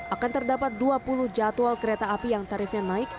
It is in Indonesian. akan terdapat dua puluh jadwal kereta api yang tarifnya naik